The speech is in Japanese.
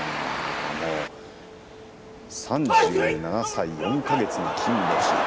３７歳４か月の金星。